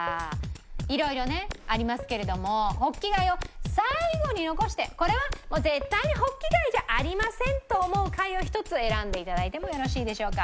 色々ねありますけれどもホッキ貝を最後に残してこれはもう絶対にホッキ貝じゃありませんと思う貝を１つ選んで頂いてもよろしいでしょうか？